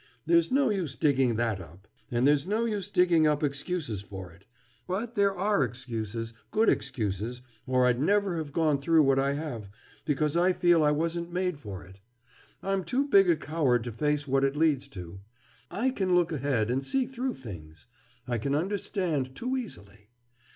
"There's no use digging that up. And there's no use digging up excuses for it. But there are excuses—good excuses, or I'd never have gone through what I have, because I feel I wasn't made for it. I'm too big a coward to face what it leads to. I can look ahead and see through things. I can understand too easily."